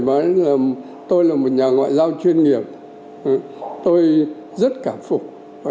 trong cuộc đồng chí lê đức thọ tôi là một nhà ngoại giao chuyên nghiệp tôi rất cảm phục